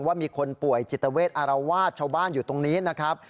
ว่ามีคนป่วยจิตเวทอารวาสชาวบ้านอยู่ตรงนี้นะครับ